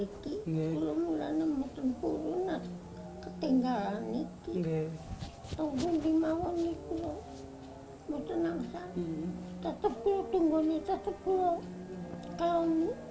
saya tidak bisa menjaga keamanan saya